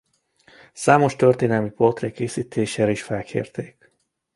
Számos történelmi portré készítésére is felkérték.